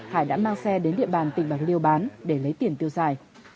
hải đã mang xe đến địa bàn tỉnh bạc liêu bán để lấy tiền tiêu xài